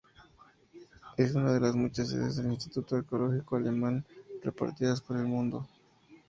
Es una de las muchas sedes del Instituto Arqueológico Alemán repartidas por el mundo.